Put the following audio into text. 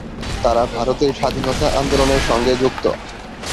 তারা ভারতের স্বাধীনতা আন্দোলনের সঙ্গে যুক্ত।